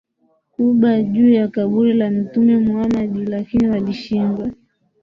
kuba juu ya kaburi la Mtume Muhamad lakini walishindwa